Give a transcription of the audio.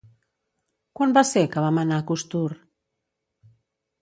Quan va ser que vam anar a Costur?